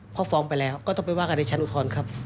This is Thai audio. พอฟ้องไปแล้วก็ต้องไปว่ากันในชั้นอุทธรณ์ครับ